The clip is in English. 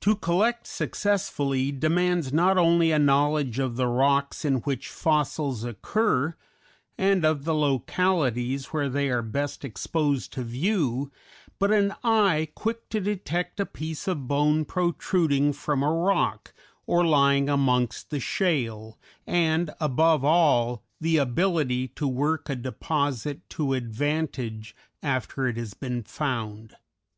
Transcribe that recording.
To collect successfully demands not only a knowledge of the rocks in which fossils occur and of the localities where they are best exposed to view, but an eye quick to detect a piece of bone protruding from a rock or lying amongst the shale, and, above all, the ability to work a deposit to advantage after it has been found.